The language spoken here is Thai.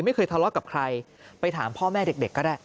ไม่เคยทะเลาะกับใครไปถามพ่อแม่เด็กก็ได้